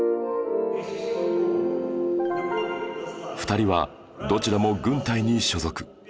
２人はどちらも軍隊に所属